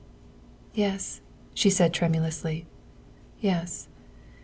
" Yes," she said tremulously, " yes."